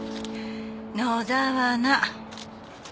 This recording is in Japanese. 野沢菜。